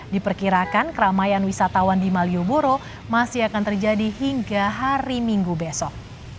diperkirakan keramaian wisatawan di malioboro masih akan terjadi hingga hari minggu besok